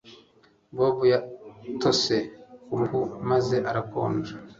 Bobo yatose kuruhu maze arakonja